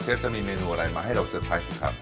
เชฟจะมีเมนูอะไรมาให้เราเซอร์ไพรสิครับ